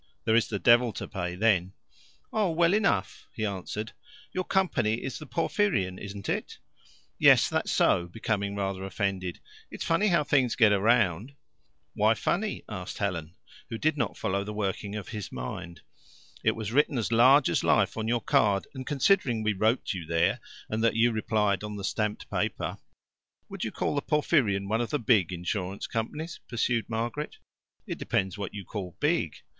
There is the devil to pay then. "Oh, well enough," he answered. "Your company is the Porphyrion, isn't it?" "Yes, that's so" becoming rather offended. "It's funny how things get round." "Why funny?" asked Helen, who did not follow the workings of his mind. "It was written as large as life on your card, and considering we wrote to you there, and that you replied on the stamped paper " "Would you call the Porphyrion one of the big Insurance Companies?" pursued Margaret. "It depends what you call big."